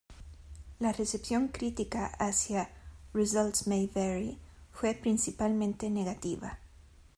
La recepción crítica hacia "Results May Vary" fue principalmente negativa.